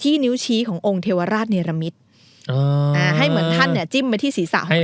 นิ้วชี้ขององค์เทวราชเนรมิตให้เหมือนท่านเนี่ยจิ้มไปที่ศีรษะของท่าน